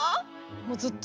もうずっと。